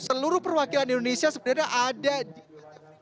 seluruh perwakilan indonesia sebenarnya ada di pt freeport